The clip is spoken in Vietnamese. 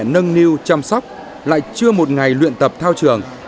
các mẹ nâng niu chăm sóc lại chưa một ngày luyện tập thảo trường